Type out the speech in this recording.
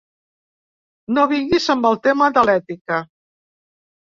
No vinguis amb el tema de l'ètica.